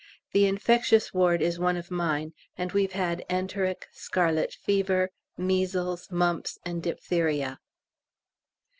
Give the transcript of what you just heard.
The Infectious Ward is one of mine, and we've had enteric, scarlet fever, measles, mumps, and diphtheria.